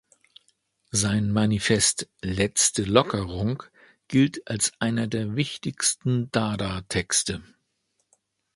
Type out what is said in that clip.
Sein Manifest "Letzte Lockerung" gilt als einer der wichtigsten Dada-Texte.